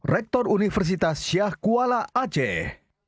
rektor universitas syahkuala aceh